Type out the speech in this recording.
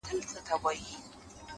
ځوان د سگريټو تسه کړې قطۍ وغورځول-